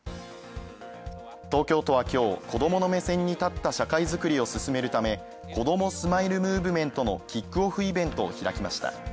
東京都は今日、子供の目線に立った社会づくりを進めるため、「こどもスマイルムーブメント」のキックオフ・イベントを開きました。